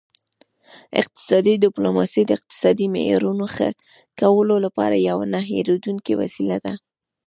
اقتصادي ډیپلوماسي د اقتصادي معیارونو ښه کولو لپاره یوه نه هیریدونکې وسیله ده